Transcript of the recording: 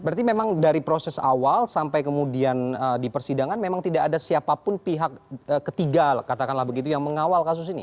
berarti memang dari proses awal sampai kemudian di persidangan memang tidak ada siapapun pihak ketiga katakanlah begitu yang mengawal kasus ini